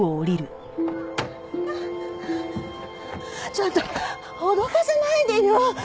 ちょっと脅かさないでよ。